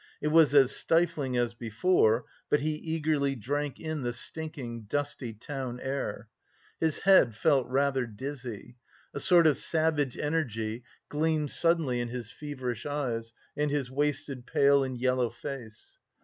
It was as stifling as before, but he eagerly drank in the stinking, dusty town air. His head felt rather dizzy; a sort of savage energy gleamed suddenly in his feverish eyes and his wasted, pale and yellow face.